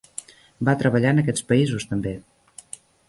Va treballar en aquests països també.